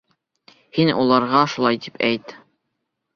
Һин уларға шулай тип әйт.